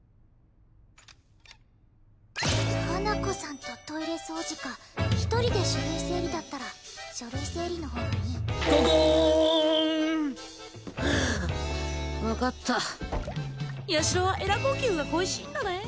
花子さんとトイレ掃除か一人で書類整理だったら書類整理のほうがいいはあっ分かったヤシロはエラ呼吸が恋しいんだね